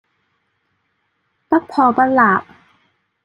不破不立